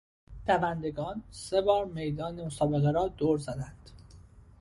دوندگان سه بار میدان مسابقه را دور زدند.